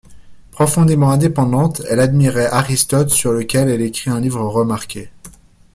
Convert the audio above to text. Profondément indépendante, elle admirait Aristote sur lequel elle écrit un livre remarqué.